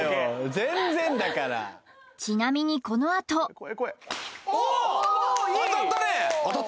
全然だからちなみにこのあとおっ！